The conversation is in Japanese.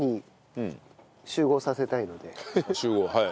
集合はい。